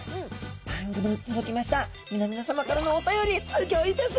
番組に届きました皆々さまからのお便りすギョいです。